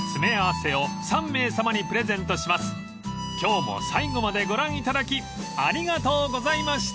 ［今日も最後までご覧いただきありがとうございました］